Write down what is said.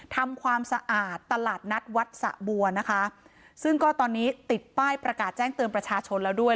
ทำความสะอาดตลาดนัดวัดสะบัวนะคะซึ่งก็ตอนนี้ติดป้ายประกาศแจ้งเตือนประชาชนแล้วด้วย